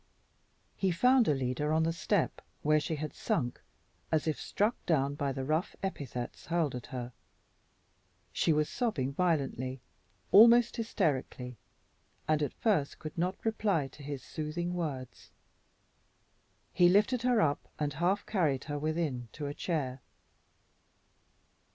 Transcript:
He found Alida on the step, where she had sunk as if struck down by the rough epithets hurled at her. She was sobbing violently, almost hysterically, and at first could not reply to his soothing words. He lifted her up, and half carried her within to a chair.